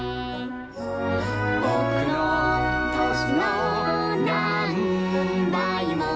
「ぼくのとしのなんばいも」